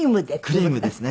クリームですね。